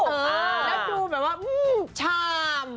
นัดดูแบบว่าชาม